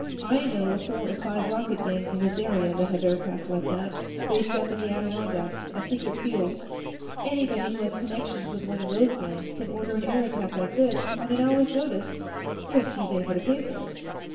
I know of four or five racket gangs in this area that have aircraft like that, based up in the Adirondacks, at secret fields. Anybody who has connections with one of those gangs can order an air attack like this on an hour's notice, if he's able to pay for it.